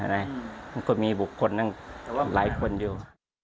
มันก็มีบุคคลนั่งหลายคนอยู่